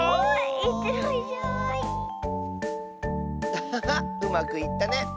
アハハうまくいったね！